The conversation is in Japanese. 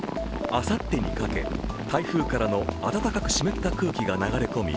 あさってにかけ、台風からの暖かく湿った空気が流れ込み